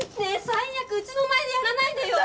最悪うちの前でやらないでよ